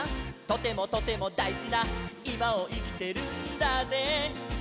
「とてもとてもだいじないまをいきてるんだぜ」